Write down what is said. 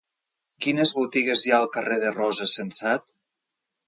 Quines botigues hi ha al carrer de Rosa Sensat?